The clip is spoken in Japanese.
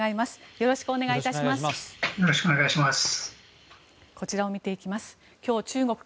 よろしくお願いします。